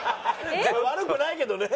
悪くないけどね。